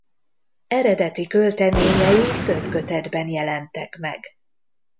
Eredeti költeményei több kötetben jelentek meg.